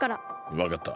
わかった。